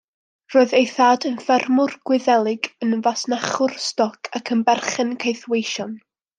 Roedd ei thad yn ffermwr Gwyddelig, yn fasnachwr stoc ac yn berchen caethweision.